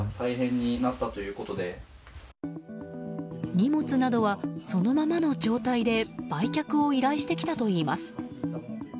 荷物などは、そのままの状態で売却を依頼してきたといいます。